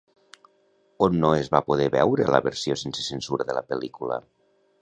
On no es va poder veure la versió sense censura de la pel·lícula?